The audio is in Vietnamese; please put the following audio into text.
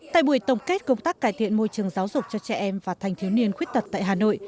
tại buổi tổng kết công tác cải thiện môi trường giáo dục cho trẻ em và thanh thiếu niên khuyết tật tại hà nội